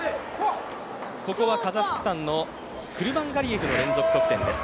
ここはカザフスタンのクルマンガリエフの連続得点です。